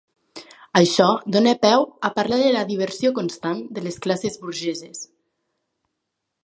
Això dona peu a parlar de la diversió constant de les classes burgeses.